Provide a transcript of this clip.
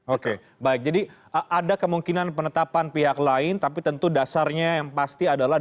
oke baik jadi ada kemungkinan penetapan pihak lain tapi tentu dasarnya yang pasti adalah